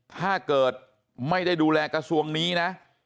ถ้าเกิดไม่ได้ดูแลกระทรวงนี้นะ